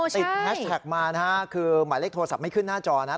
แฮชแท็กมานะฮะคือหมายเลขโทรศัพท์ไม่ขึ้นหน้าจอนะ